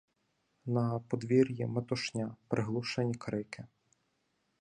На подвір'ї — метушня, приглушені крики.